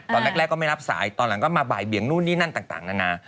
ตอนแรกก็ไม่รับสายตอนหลังก็มาบ่ายเบียงนู่นนี่นั่นต่างนานา